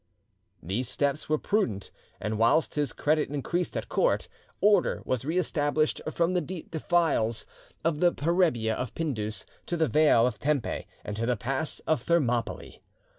These steps were prudent, and whilst his credit increased at court, order was reestablished from the defiles of the Perrebia of Pindus to the vale of Tempe and to the pass of Thermopylae.